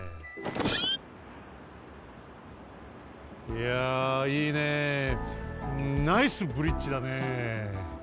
いやいいねえナイスブリッジだねえ。